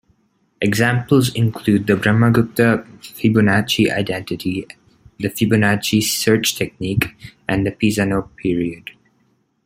Examples include the Brahmagupta-Fibonacci identity, the Fibonacci search technique, and the Pisano period.